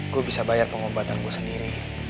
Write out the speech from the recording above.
gue bisa bayar pengobatan gue sendiri